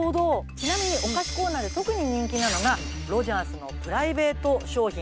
ちなみにお菓子コーナーで特に人気なのがロヂャースのプライベート商品ｍｙｋａｉ。